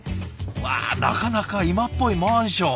わあなかなか今っぽいマンション。